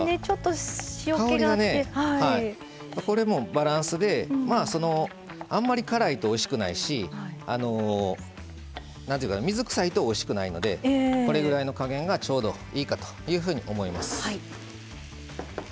香りが、これもバランスであんまり辛いとおいしくないし水くさいとおいしくないのでこれぐらいの加減がちょうどいいかというふうに思います。